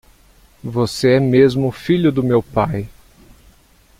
Você é mesmo filho do meu pai.